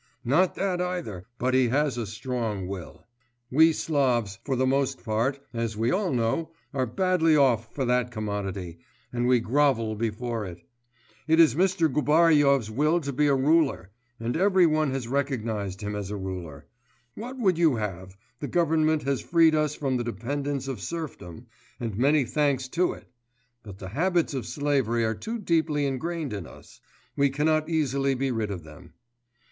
'Not that either, but he has a strong will. We Slavs, for the most part, as we all know, are badly off for that commodity, and we grovel before it. It is Mr. Gubaryov's will to be a ruler, and every one has recognised him as a ruler. What would you have? The government has freed us from the dependence of serfdom and many thanks to it! but the habits of slavery are too deeply ingrained in us; we cannot easily be rid of them.